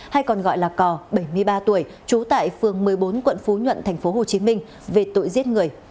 hay còn gọi là cò bảy mươi ba tuổi trú tại phường một mươi bốn quận phú nhuận tp hcm về tội giết người